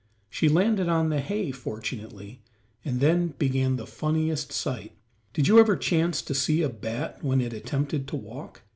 She landed upon the hay, fortunately, and then began the funniest sight. Did you ever chance to see a bat when it attempted to walk?